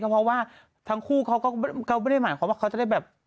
เพราะว่าทั้งคู่เขาก็ไม่ได้หมายความว่าเขาจะได้แบบ